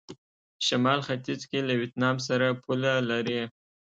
شمال ختيځ کې له ویتنام سره پوله لري.